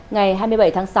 ngày hai mươi bảy tháng sáu